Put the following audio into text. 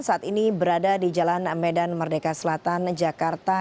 saat ini berada di jalan medan merdeka selatan jakarta